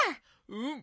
うん。